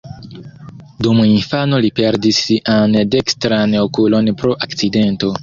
Dum infano li perdis sian dekstran okulon pro akcidento.